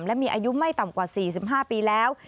และมีอายุไม่ต่ำกว่า๔๕ปีแล้ว